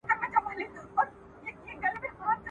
که د قوانین د تطبیق اړوند پاملرنه وسي، نو مشکلات کم کیږي.